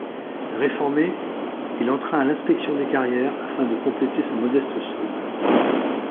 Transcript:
Réformé, il entra à l'Inspection des carrières afin de compléter sa modeste solde.